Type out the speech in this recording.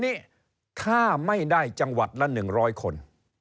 นี่ถ้าไม่ได้จังหวัดละ๑๐๐คน